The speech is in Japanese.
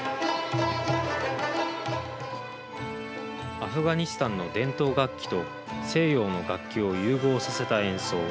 アフガニスタンの伝統楽器と西洋の楽器を融合させた演奏。